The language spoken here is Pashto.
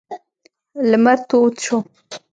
لمر تود شو.